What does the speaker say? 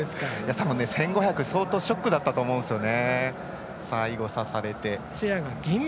たぶん、１５００相当、ショックだったと思うんですよね。